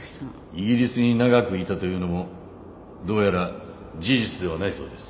イギリスに長くいたというのもどうやら事実ではないそうです。